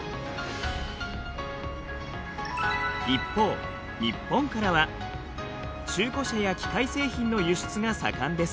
一方日本からは中古車や機械製品の輸出が盛んです。